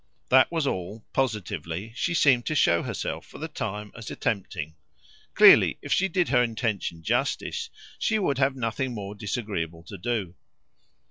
That was all, positively, she seemed to show herself for the time as attempting; clearly, if she did her intention justice she would have nothing more disagreeable to do.